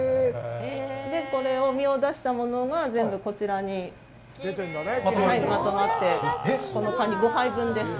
これを、身を出したものが全部、こちらにまとまって、このカニ、５杯分です。